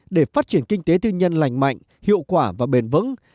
để phát triển kinh tế tư nhân lành mạnh hiệu quả và bền vững